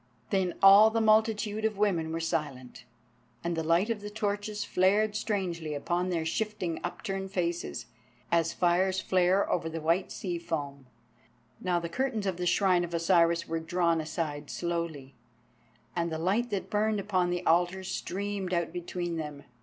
_" Then all the multitude of women were silent, and the light of the torches flared strangely upon their shifting upturned faces, as fires flare over the white sea foam. Now the curtains of the Shrine of Osiris were drawn aside slowly, and the light that burned upon the altar streamed out between them.